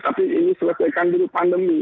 tapi ini selesaikan dulu pandemi